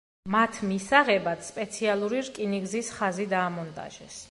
მათ მისაღებად სპეციალური რკინიგზის ხაზი დაამონტაჟეს.